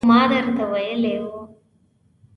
خو ما درته ویلي وو